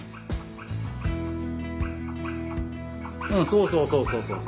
そうそうそうそうそう。